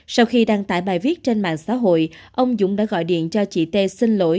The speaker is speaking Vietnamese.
sau khi đăng tải bài viết trên mạng xã hội ông dũng đã gọi điện cho chị t xin lỗi